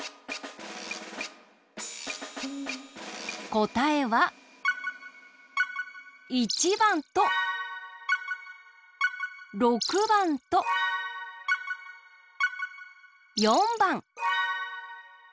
こたえは１ばんと６ばんと４ばん！